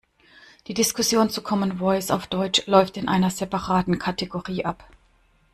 Die Diskussion zu Common Voice auf Deutsch läuft in einer separaten Kategorie ab.